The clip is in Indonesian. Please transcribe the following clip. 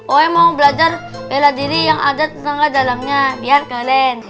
oe mau belajar bela diri yang ada tenaga dalamnya biar keren